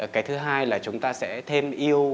và chúng ta sẽ thêm yêu